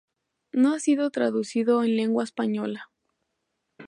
No ha sido traducido en lengua española.